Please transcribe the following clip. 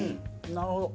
なるほど。